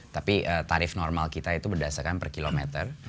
tapi tarif normal kita itu berdasarkan per kilometer